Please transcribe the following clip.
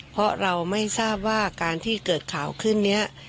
เพราะเราไม่ทราบว่าการที่เกิดข่าวขึ้นนี้